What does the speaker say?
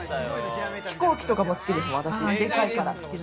飛行機とかも好きです、でかいから。